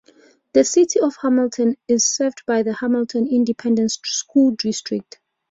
The City of Hamilton is served by the Hamilton Independent School District.